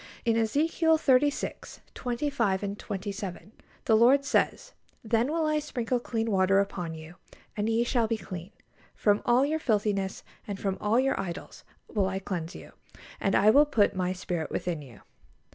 In Ezekiel xxxvi. 25 and 27, the Lord says, "Then will I sprinkle clean water upon you, and ye shall be clean: from all your filthiness, and from all your idols, will I cleanse you.... And I will put My Spirit within you."